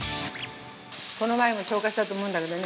◆この前も紹介したと思うんだけどね。